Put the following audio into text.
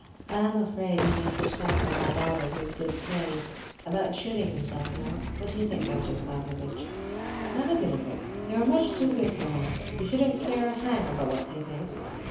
I am afraid he may suspect that I doubted his good faith,—about shooting himself, you know. What do you think, Evgenie Pavlovitch?" "Not a bit of it! You are much too good to him; you shouldn't care a hang about what he thinks.